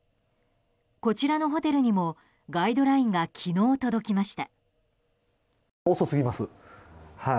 こちらのホテルにもガイドラインが昨日届きました。